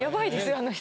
あの人。